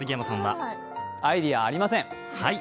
アイデアありません。